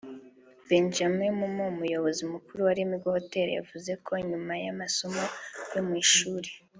Benjamin Mumo umuyobozi mukuru wa Lemigo Hotel yavuze ko nyuma y’amasomo yo mu ishuri